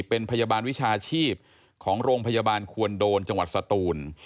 เป็นพยาบาลวิชาชีพของโรงพยาบาลควรโดนจังหวัดสตูน